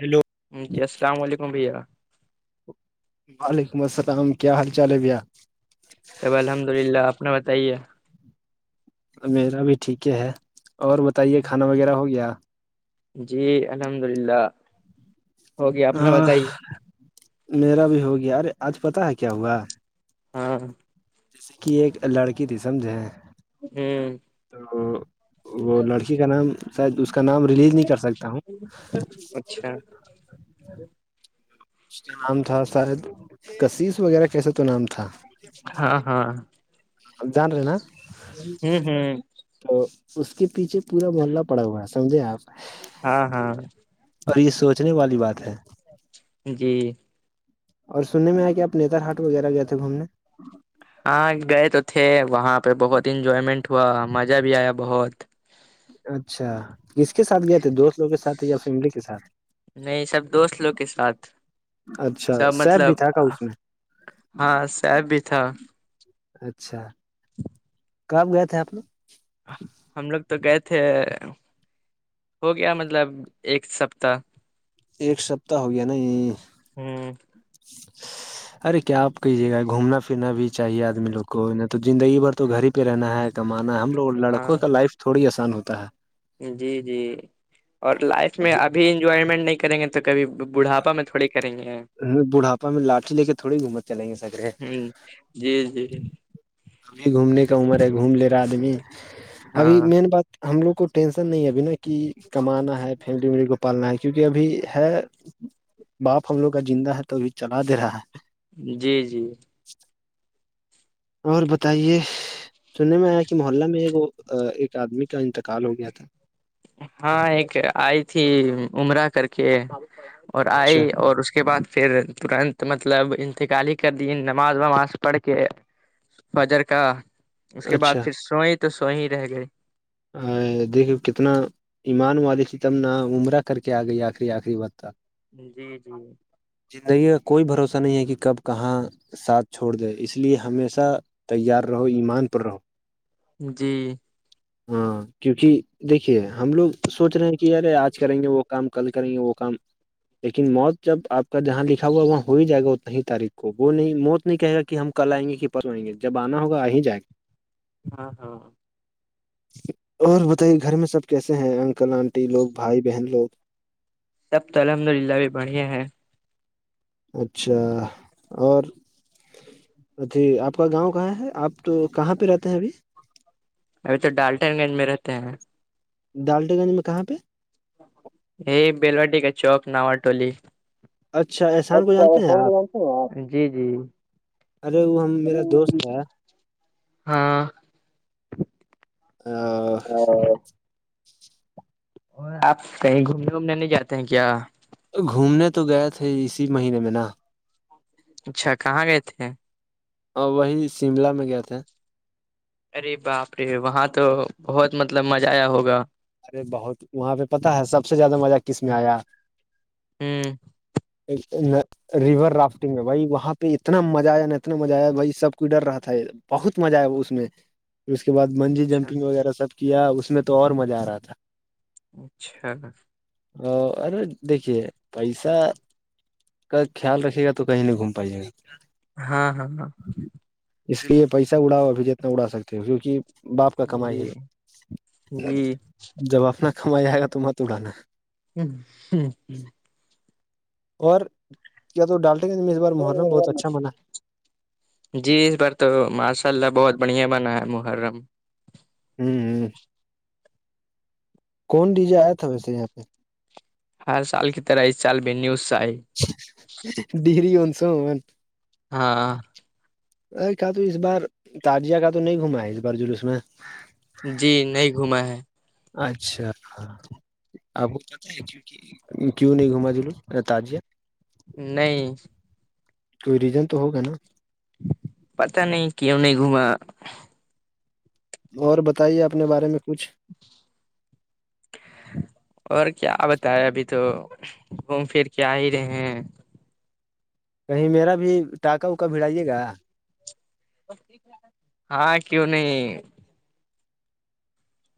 hello جی السلام علیکم بھیا وعلیکم السلام کیا حال چال ہے بھیا اب الحمد للہ آپنا بتائیے میرا بھی ٹھیک ہے ہے اور بتائیے کھانا وغیرہ ہو گیا جی الحمد للہ ہو گیا ا اپنا بتائیے میرا بھی ہو گیا ارے آج پتا ہے کیا ہوا ہاں جیسے کہ ایک لڑکی تھی سمجھے ہوں تو وہ لڑکی کا نام شاید اس کا نام ریلیز نہیں کر سکتا ہوں اچھا اس کا نام تھا شاید کشس وغیرہ کیسا تو نام تھا ہاں ہاں جان ن ہوں ہوں تو اس کے پیچھے پورا محلہ پڑا ہوا ہے سمجھے آپ ہاں ہاں اور یہ سوچنے والی بات ہے جی اور سننے میں آیا کہ آ نیتار ہاٹ وغیرہ گئے تھے گھومنے ہاں گئے تو تھے وہاں پہ بہت انجوائمنٹ ہوا مزہ بھی آیا بہت اچھا کس کے ساتھ گئے تھے دوست لوگ کے سات یا فیملی کے ساتھ نہیں سب دوست لوگ کے ساتھ اچھا سب سیب بھی مطلب تھا کا اس میں ہاں ساب بھی تھا اچھا کب گئے تھے آپ لوگ ہم لوگ تو گئے تھے ہو گیا مطلب ایک سپتاہ ایک سپتتاہ ہو گیا نا یہ ہوں [inaudible] ارے کیا آپ کہی جگہ گھومنا پھرنا بھی چاہیے آدمی لوگ کو تو زندگی بھر تو گھر ہی پہ رہنا ہے کمانا ہے ہم لوگ ہاں لڑکوں کا لائف تھوڑی آسان ہوتا ہے جی جی اور لائف میں اب انجوائمنٹ نہیں کریں گے تو کبھی بڑھاپا میں تھوڑی کریں گے بڑھاپا میں لاٹھی لے کے تھوڑی گھومت چلیں گے سگرے ہ جی جی ابھی گھومنے کا عمر ہے گھوم لے رہا آدمی ابھی ہاں مین بات ہم لوگ کو ٹینشن نہیں ابھی نا کہ کمانا ہے فم ڈوری کو پالنا ہے کیونکہ ابھی ہے باپ ہم لوگ کا زندہ ہے تو ابھی چلا دے رہا ہے جی جی اور بتائیے سننے میں آیا کہ محلہ میں ایک آدمی کا انتقال ہو گیا تھا ہاں ایک آئی تھی عمرہ کر کے اور اچھا آئی اور اس کے بعد پھر ترنت مطلب انتقالی کر د نماز وماز پڑھ کے فجر کا اس کے بعد اچھا پھر سوئی تو سوئی رہ گئی دیکھو کتنا ایمان والی تھی تب ن عمرہ کر کے آ گئی آخری آخری بق تک جی جی زندگی کا کوئی بھروسہ نہیں ہے کہ کب کہاں ساتھ چھوڑ دے اس لیے ہمیشہ تیار رہو ایمان پر رہو جی ہاں کیونکہ دیکھیے ہم لوگ سوچ رہے ہیں کہ یارے آج کریں گے وہ کام کل کریں گے وہ کام لیکن موت جب آپ جہاں لکھا ہوا وہاں ہو ہی جائے گا اتنا ہی تاریخ کو وہ نہیں موت نہیں کہے گا کہ ہم کل آئ گے کہ وئیں گے جب آنا ہوگا آیں جائے گا ہاں ہاںاں اور بتائیے گھر میں سب کیسے ہیں انکل آنٹی لوگ بھائی بہن لوگ تب تو الحمد للہ بھی بڑھیا ہیں اچھا اور ا جھی آپ کا گاؤں کہاں ہے آپ تو کہاں پہ رہتے ہیں ابھی ابھی تو ڈالٹن گنج میں رہتے ہیں دالٹے گنج میں کہاں پہ یہ بیلوٹی کا چوک نوٹولی اچھا احسان کو اچھا جانتے ہیں فون آپ جی جی ارے وہ ہم میرا دوست ہے ہاں ا اور آپ کہیں گھومنے وومنے نہیں جاتے ہیں کیا گھومنے تو گئے تھے اسی مہینے میں نا اچھا کہاں گئے تھے اور وہی شملہ میں گیا تھے ارے باپ رے وہاں تو بہت مطلب مزہ آیا ہوگا ارے بہت وہاں پہ پتتا ہے سب سے زیادہ مزہ کس میں آیا ہوں ایک میں ریور رافٹنگ میں بھائی وہاں پہ اتنا مزہ آیا نا اتنا مزہ آیا بھائی سب کو ڈر رہا تھا ہے بہت مزہ آئے اس میں پھر اس کے بعد منجی اچھا جمپنگ وغیرہ سب کیا اس میں تو اور مزہ آ رہا تھا اچھا ہ ارے دیکے پیسہ کا خیال رکھے گا تو کہیں نہیں گھوم پائیے گا ہاں ہاں ہاں اس لیے پیسہ اڑاؤ ابھی جتنا اڑا سکتے ہو کیونکہ باپ کا کمائی جی ہے جی جب اپنا کمائی آئے گا تو مت اڑانا ہوں ہوں ہ اور کیا تو ڈالٹے گ اس بار محرم بہت اچھا منا ہے جی اس بار تو ماشاء اللہ بہت بڑھیا بنا ہے محرم ہوں کون ڈیزے آیا تھا ویسے یہاں پہ ہر سال کی طرح اس چال بھی نیوز سےئی ڈیری ہوس ہاں ا کا تو اس بار تجیا کا تو نہیں گھما ہے اس بار جلوس میں جی نہیں گھوما ہے اچھا اب کیوں نہیں گھما دلو تجیہ نہیں تو ریزن تو ہوگا نا پتا نہیں کیوں نہیں گھوما اور بتائیے اپنے بارے میں کچھ اور کیا بتائے ابھی تو گھوم پھر کے آ ہی رہے ہیں کہیں میرا بھی ٹاکا ووکا بھیھڑائیے گا ہاں کیوں نہیں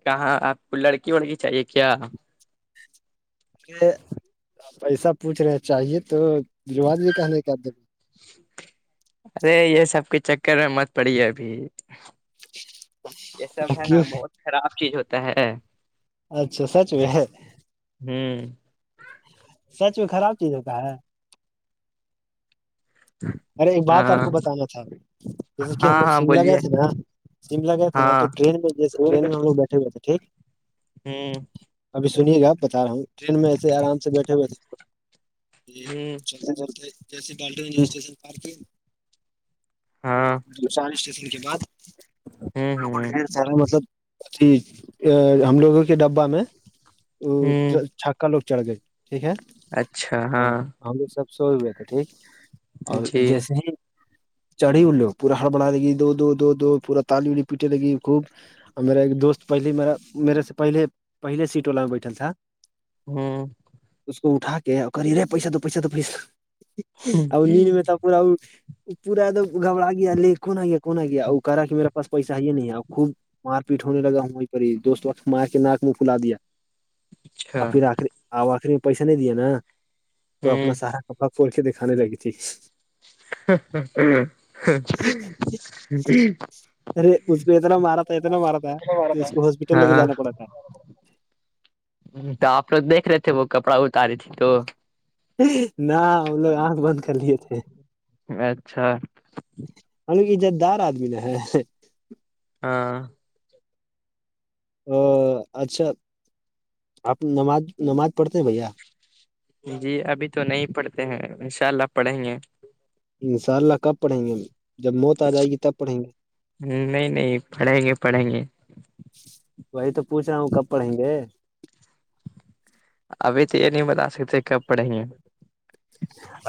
کہاں آپ کو لڑکی وڑکی چاہیے کیا [inaudible] آپ ایسا پوچھ رہے چاہیے تو دوج بھی کہنے کر د ارے یہ سب کے چکر میں مت پڑی ہے ابھی یہ سب ہے نا کیوں بہت خراب چیز ہوتا ہے اچھا سچ میں ہے ہوں سچ بھی خراب چیز ہو کہا ہے ارے ایک بات آپ ہاں کو بتانا تھا جیسے کہ ہم ہاں لوگ ہاں شملہ گئے بولیے تھے نا شملا گئے تھے نا تو ہاں ٹرین میں جسے ٹرین میں ہم لوگ بیٹھے ہوئے تھے ٹھیک ہوں ابھی سنیے گا بتا رہا ہوں ٹرین میں ایسے آرام سے بیٹھے ہوئے تھے جیسے بالٹن اسٹیشن پارک کیا ہاں نا چالیس اسٹیشن کے بعد ہوں لوگوں کو ہوں ڈھیر ا مطلب ا ہم لوگوں کے ڈبہ میں ہوں چھکا لوگ چڑھ گئے ٹھیک ہے اچھا اور ہاں ہم لوگ سب سوے ہوئے تھے ٹھیک اور جی جیسے ہی چڑھی او لوگ پورا ہڑ بڑا لگی دو دو دو دو پورا تالی وی پیٹے لگی خوب اور میرا ایک دوست پہلے میرا میرے سے پہلے پہلے سیٹ والا میں بیٹھل تھا ہاں اس کو اٹھا کے کر ہی رہے پیسہ تو پیسہ تو پیسہ ا نیند میں تو پورا پورا گبڑ آگیا لے کون آ کون آ گیا ا کرا کہ میرا پا پیسا ہی نہیں ہے اور خوب مار پیٹ ہونے لگا ہوں وہیں پر ہی دوست وت ماں کے ناک منہ پلا دیا اور اچھا پھر آخری آب آخری میں پیسہ نہیں دیا نا تو اپنا ہوں سارا کپڑا کھول کے دکھانے لگی تھی [inaudible] ارے اس پہ اتنا مارا اتنا مارا تھا کہ اس کو ہاسپٹل لے کے ہاں جانا پڑا تھا تو آپ لوگ دیکھ رہے تھے وہ کپڑا اتاریی تھی تو نہ ہم لوگ آنکھ بند کر لیے تھے اچھا ہم عزت دار آدمی میں ہیں ہاں ا اچھا آپ نماز نماز پڑھتے ہیں بھیا جی ابھی تو نہیں پڑھتے ہیں ان شاء اللہ پڑھیں گے ان شاء اللہ کب پڑھیں گے جب موت آ جائے گی تب پڑھیں گے نہیں نہیں پڑھیں گے پڑھیں گے وہی تو پوچھ رہا ہوں کب پڑیں گے ابھی تو یہ نہیں بتا سکتے کب پڑھیں گے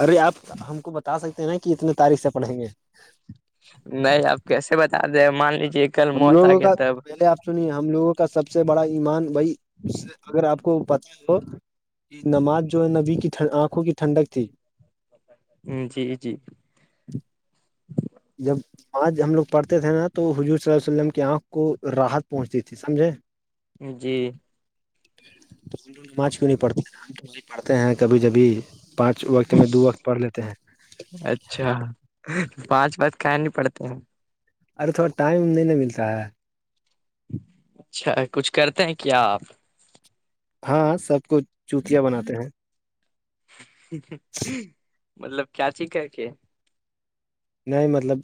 ارے آپ ہم کو بتا سکتے ہیں نا کہ اتنے تاریخ سے پڑھیں گے نہیں اب کیسے بتا دیں مان لیجیے کہ ہم لوگوں کا پہلے آپ سنیے ہم لوگوں کا سب سے بڑا ایمان بھائی اس سے اگر آپ کو پت ہو یہ نماز جو ہے نبی کی آنکھوں کی ٹھنڈک تھی ہ جی جی جب آج ہم لوگ پڑھتے تھے نا تو حضور صلی اللہ ولم کی آنکھ کو راحت پہنچتی تھی سمجھے جی تو ہم نماز کیوں نہیں پڑھتے نہیں پڑھتے ہیں کبھی کبھی پانچ وقت میں دو وقت پڑھ لیتے ہیں اچھا پانچ بات کہیں نہیں پڑتے ہیں ارے تھوڑا ٹائم نہیں ملتا ہے اچھا کچھ کرتے ہیں کیا آپ ہاں سب کوچ چوتیاں بناتے ہیں مطلب کیا چیز کر کے نہیں مطلب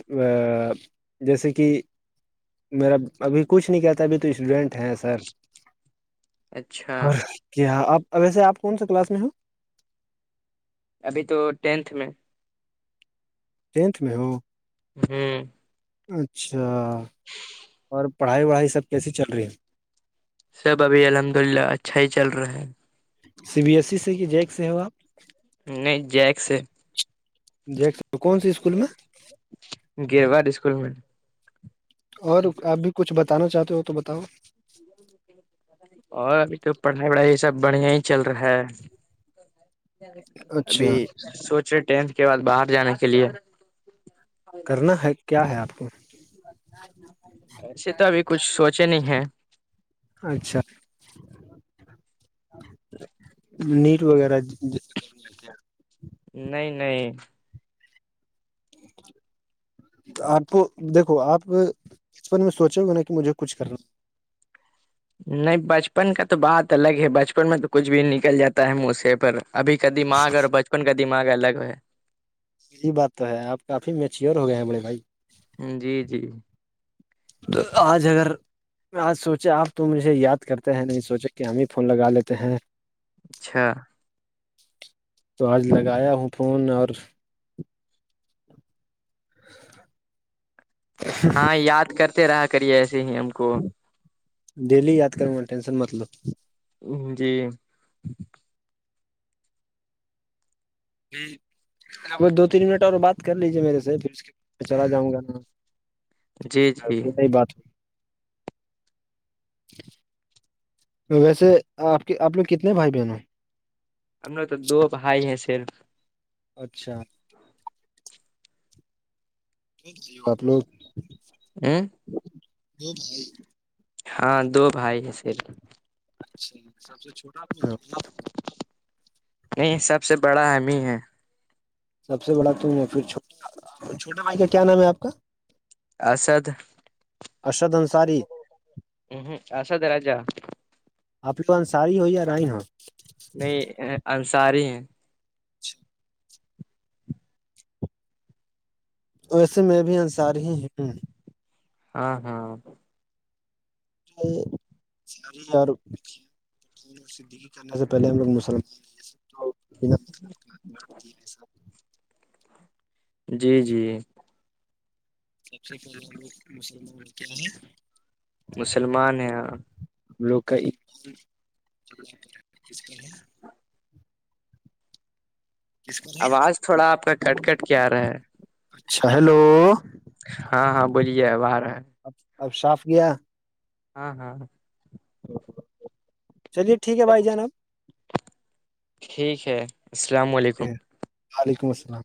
جیسے کہ میرا ابھی کچھ نہیں کہتا ابھی تو اسٹوڈنٹ ہیں سر اچھا اور کیا آپ ویسے آپ کون سےا کلاس میں ہو ابھی تو ٹینتھ میں ٹینتھ میں ہو ہوں اچھا اور پڑھائی وڑھائی سب کیسی چل رہی ہے سب ابھی الحمد اللہ اچھا ہی چل رہا ہے سی بی ایس ای سے کہ جیک سے ہو آپ نہیں جیکس جیکس کون سی اسکول میں گوار اسکول میں اور آپ بھی کچھ بتانا چاہتے ہو تو بتاؤ ج [unintelligible] اور ابھی تو پڑھائی وڑھائی یہ سب بڑھیا ہی چل رہا ہے ابھی اچھا سوچے ٹینتھ کے بعد باہر جانے کے لیے کرنا ہے کیا ہے آپ کو ویسے تو ابھی کچھ سوچے نہیں ہے اچھا نیٹ وغیرہ نہیں نہیں [unintelligible] آپ کو دیکھو آپ اس بار میں سوچا ہوا نا کہ مجھے کچھ کرنا نہیں بچپن کا تو بات الگ ہے بچپن میں تو کچھ بھی نکل جاتا ہے موسے پر ابھی ک د ماگ اور بچپن کا دماگ الگ ہے یہی بات تو ہے آپ کافی میچیور ہو گئے ہیں بڑے بھائی جی جی تو آج اگر آج سوچے آپ تو مجھے یاد کرتے ہیں نہیں سوچے کہ ہم ہی فون لگا لیتے ہیں اچھا تو آج لگایا ہوں فون اور [unintelligible] ہاں یاد کرتے رہا کریے ایسے ہی ہم کو ڈیلی یاد کروں گا ٹینشن متلو جی ج [unintelligible] دو تین منٹ اور بات کر لیجیے میرے سے پھر اس کے میں چلا جاؤں گا نا جی جی پھر نہیں بات ہوئی [inaudible] تو ویسے آپ کے آنے کتنے بھائی بہنوں ہم لوگ تو دو بھائی ہیں صرف اچھا آپ لوگ اوں وہ بھائی ہاں دو بھائی ہے سیر اچھا سب سے چھوٹا اپنا نہیں سب سے بڑا ہم ہی ہے سب سے بڑا تم پھر چھوٹا بھائی کا کیا نام ہے آپ کا اسد ارشد انصاری اسد رضا آپ کے تو انساری ہو یا رائن ہاں نہیں انصاری ہیں ویسے میں بھی انسار ہی ہوں ہاں ہاں س اور [unintelligible] صدیقی کرنے سے پہلے ہم لوگ مسلمان [unintelligible] جی جی سب سے پہلاے لوگ مسلمان کیا ہیں [unintelligible] مسلمان ہیں لوک [unintelligible] آواز تھوڑا آپ کا کٹ کٹ کیا رہا ہے اچھا ہیلو ہاں ہاں بولیے باہر ہے اب اب صاف گیا ہاں ہاں چلیے ٹھیک ہے بھائی جانب ٹھیک ہے السلام علیکم وعلیکم السلام